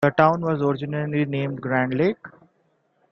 The town was originally named Grand Lake.